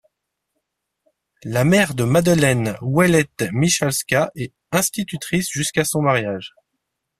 La mère de Madeleine Ouellette-Michalska est institutrice jusqu'à son mariage.